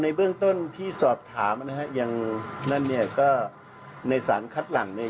ในเบื้องต้นที่สอบถามนะฮะอย่างนั่นเนี่ยก็ในสารคัดหลังเนี่ย